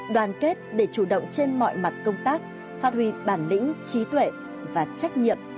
đoàn kết để chủ động trên mọi mặt công tác phát huy bản lĩnh trí tuệ và trách nhiệm